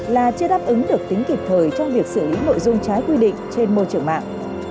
là chưa đáp ứng được tính kịp thời trong việc xử lý nội dung trái quy định trên môi trường mạng